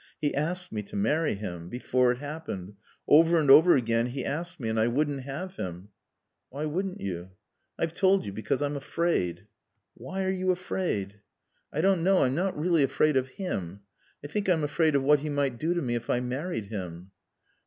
He asked me to marry him. Before it happened. Over and over again he asked me and I wouldn't have him." "Why wouldn't you?" "I've told you. Because I'm afraid." "Why are you afraid?" "I don't know. I'm not really afraid of him. I think I'm afraid of what he might do to me if I married him."